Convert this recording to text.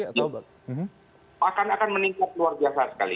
ini akan meningkat luar biasa sekali